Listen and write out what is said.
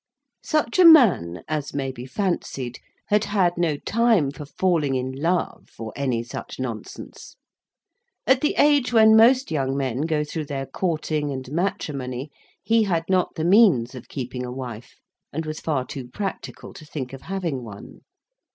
Such a man, as may be fancied, had had no time for falling in love, or any such nonsense. At the age when most young men go through their courting and matrimony, he had not the means of keeping a wife, and was far too practical to think of having one.